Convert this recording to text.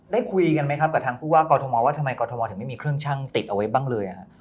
ได้คุยกันไหมครับกับทางผู้ว่ากอทมว่าทำไมกรทมถึงไม่มีเครื่องชั่งติดเอาไว้บ้างเลย